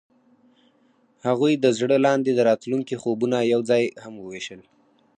هغوی د زړه لاندې د راتلونکي خوبونه یوځای هم وویشل.